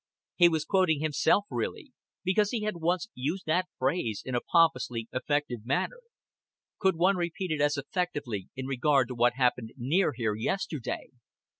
He was quoting himself really, because he had once used that phrase in a pompously effective manner. Could one repeat it as effectively in regard to what happened near here yesterday?